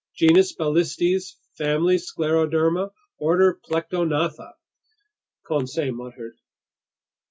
"Genus Balistes, family Scleroderma, order Plectognatha," Conseil muttered.